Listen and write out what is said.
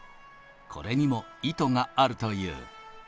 これにも意図があるという。